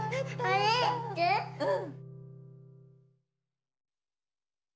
うん。